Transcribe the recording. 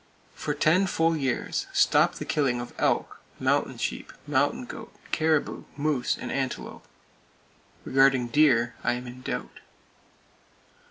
For ten (10) full years, stop the killing of elk, mountain sheep, mountain goat, caribou, moose, and antelope. Regarding deer, I am in doubt.